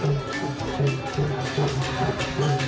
โปรดติดตามตอนต่อไป